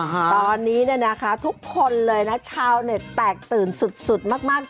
ตอนนี้เนี่ยนะคะทุกคนเลยนะชาวเน็ตแตกตื่นสุดมาก